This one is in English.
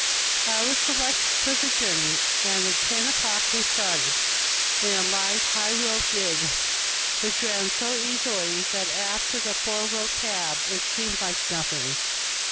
I was selected for the journey, and at ten o'clock we started, in a light, high wheeled gig, which ran so easily that after the four wheeled cab it seemed like nothing.